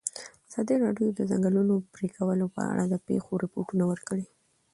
ازادي راډیو د د ځنګلونو پرېکول په اړه د پېښو رپوټونه ورکړي.